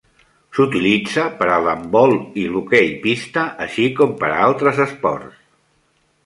S'utilitza per a l'handbol i l'hoqueipista, així com per a altres esports.